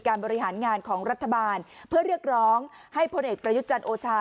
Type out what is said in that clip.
บริหารงานของรัฐบาลเพื่อเรียกร้องให้พลเอกประยุทธ์จันทร์โอชา